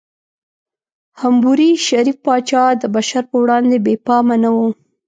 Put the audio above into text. حموربي، شریف پاچا، د بشر په وړاندې بې پامه نه و.